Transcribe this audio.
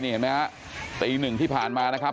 เห็นไหมฮะตีหนึ่งที่ผ่านมานะครับ